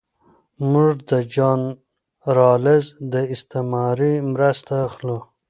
موږ د جان رالز د استعارې مرسته اخلو.